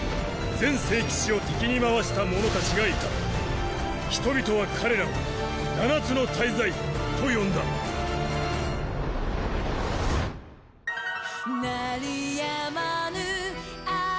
全聖騎士を敵に回した者たちがいた人々は彼らを七つの大罪と呼んだドォーン！